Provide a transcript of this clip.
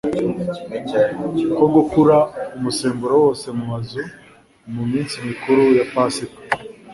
ko gukura umusemburo wose mu mazu mu minsi mikuru ya Pasika,